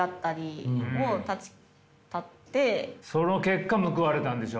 その結果報われたんでしょ？